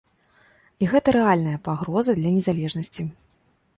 І гэта рэальная пагроза для незалежнасці.